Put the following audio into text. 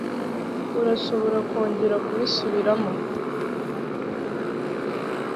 urashobora kongera kubisubiramo